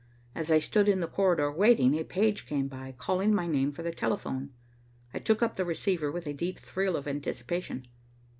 As I stood in the corridor waiting, a page came by, calling my name for the telephone. I took up the receiver with a deep thrill of anticipation.